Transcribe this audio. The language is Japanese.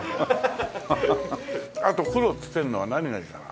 あと黒を付けるのは何がいいかな。